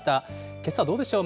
けさ、どうでしょう。